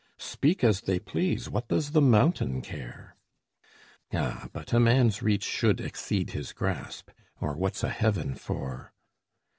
Speak as they please, what does the mountain care? Ah, but a man's reach should exceed his grasp, Or what's a heaven for?